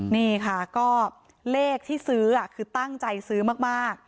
นี่ค่ะก็เลขที่ซื้อคือตั้งใจซื้อมาก